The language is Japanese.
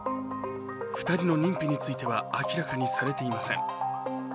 ２人の認否については明らかにされていません。